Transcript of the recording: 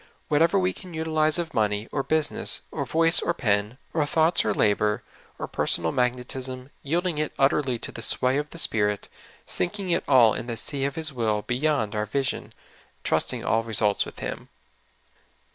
Whatever we can utilize of money or business, or voice or pen, or thoughts or labor, or per sonal magnetism, yielding it utterly to the sway of the 88 SOUL FOOD. Spirit, sinking it all in the sea of His will beyond our vision, trusting all results with Him.